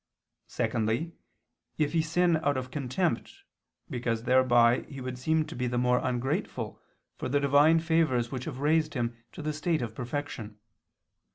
Secondly, if he sin out of contempt, because thereby he would seem to be the more ungrateful for the divine favors which have raised him to the state of perfection.